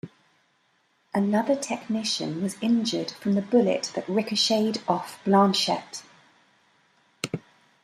Another technician was injured from the bullet that ricocheted off Blanchette.